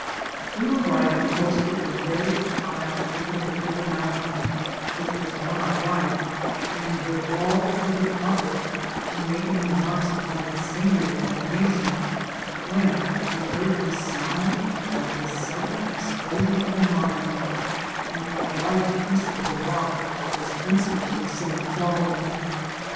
We were riding close to a very high perpendicular mountain which was on our right, and were all looking up it, and making remarks upon its singular formation, when we heard a sound like the sudden explosion of a mine, and a large piece of the rock was instantly seen falling.